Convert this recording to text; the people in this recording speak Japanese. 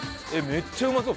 めっちゃうまそう。